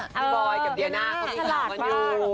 พี่บอยกับเดียน่าเขามีคำว่าอยู่